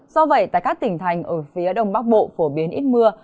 do vậy tại các tỉnh thành ở phía đông bắc bộ phổ biến ít mưa